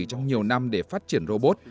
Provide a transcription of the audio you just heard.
trong nhiều năm để phát triển robot